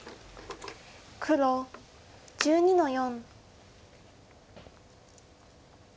黒１２の四。